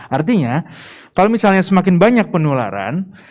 artinya kalau misalnya semakin banyak penularan